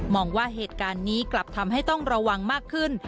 ว่าเหตุการณ์นี้กลับทำให้ต้องระวังมากขึ้น